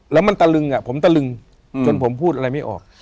แล้วมันตะลึงผมตะลึงจนผมพูดอะไรไม่ออก